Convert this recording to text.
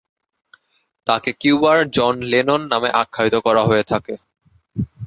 তাকে কিউবার John Lennon নামে আখ্যায়িত করা হয়ে থাকে।